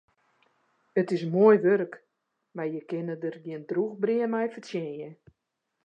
It is moai wurk, mar je kinne der gjin drûch brea mei fertsjinje.